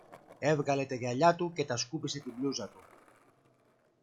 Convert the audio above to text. Έβγαλε τα γυαλιά του και τα σκούπισε τη μπλούζα του